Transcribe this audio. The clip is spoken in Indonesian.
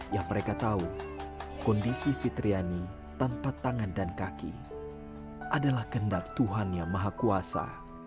yang mereka tahu kondisi fitriani tanpa tangan dan kaki adalah kendak tuhan yang maha kuasa